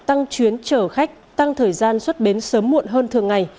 tăng chuyến chở khách tăng thời gian xuất bến sớm muộn hơn thường ngày